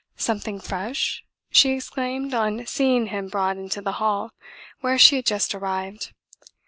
"Something fresh?" she exclaimed on seeing him brought into the Hall, where she had just arrived.